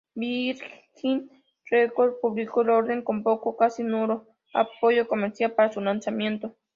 Virgin Records publicó el álbum con poco, casi nulo, apoyo comercial para su lanzamiento.